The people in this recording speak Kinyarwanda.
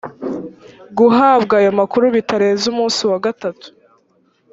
guhabwa ayo makuru bitarenze umunsi wa gatatu